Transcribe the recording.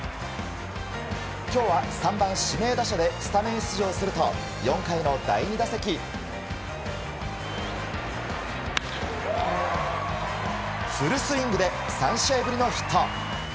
今日は、３番指名打者でスタメン出場すると４回の第２打席フルスイングで３試合ぶりのヒット。